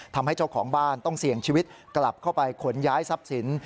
ทำให้เจ้าของบ้านต้องเสี่ยงชีวิตกลับเข้าไปขนย้ายทรัพย์สิน